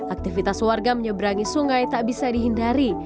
aktivitas warga menyeberangi sungai tak bisa dihindari